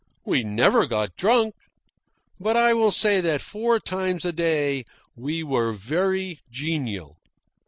We never got drunk. But I will say that four times a day we were very genial.